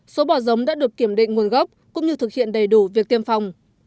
số bò giống đã được kiểm định nguồn gốc cũng như thực hiện đầy đủ việc tiêm phòng